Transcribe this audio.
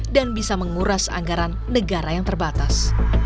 dan bisa menguras anggaran negara yang terbatas